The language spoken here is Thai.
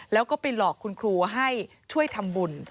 แล้วก็ไปหลอกคุณครูให้ช่วยทำบุญ